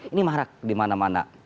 ini marak di mana mana